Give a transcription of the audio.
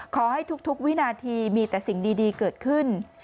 ขอให้ทุกวินาทีมีแต่สิ่งดีเกิดขึ้น